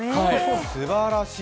すばらしい。